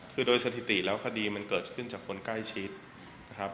คือโดยสถิติแล้วคดีมันเกิดขึ้นจากคนใกล้ชิดนะครับ